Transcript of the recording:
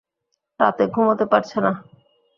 রাতে ঘুমোতে পারছে না।